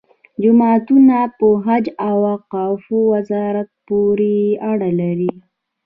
جوماتونه په حج او اوقافو وزارت پورې اړه لري.